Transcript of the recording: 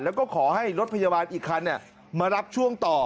แล้วก็ขอให้รถพยาบาลอีกคันมารับช่วงต่อ